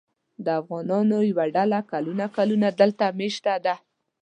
د افغانانو یوه ډله کلونه کلونه دلته مېشته ده.